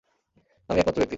আমিই একমাত্র ব্যক্তি!